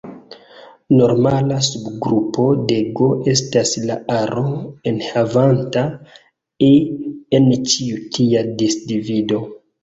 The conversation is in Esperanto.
Normala subgrupo de "G" estas la aro enhavanta "e" en ĉiu tia disdivido.